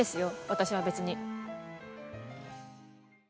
私は別に。